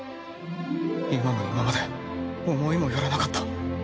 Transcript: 今の今まで思いもよらなかった